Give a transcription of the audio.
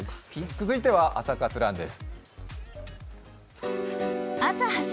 続いては「朝活ＲＵＮ」です。